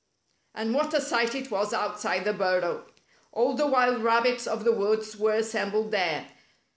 And what a sight it was outside the burrow! All the wild rabbits of the woods were assembled there.